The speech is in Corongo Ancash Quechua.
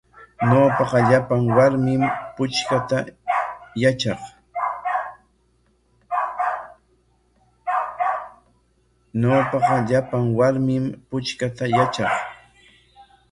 Ñawpaqa llapan warmim puchkayta yatraq.